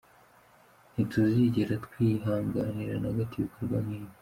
Ntituzigera twihanganira na gato ibikorwa nk’ibi.